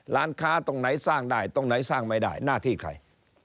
ร้านค้าตรงไหนสร้างได้ตรงไหนสร้างไม่ได้หน้าที่ใคร